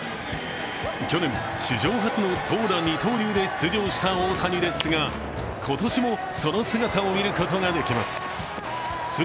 去年、史上初の投打二刀流で出場した大谷ですが今年も、その姿を見ることができます。